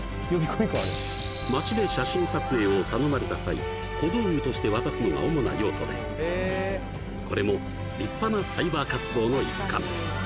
これまで街で写真撮影を頼まれた際小道具として渡すのが主な用途でこれも立派なサイバー活動の一環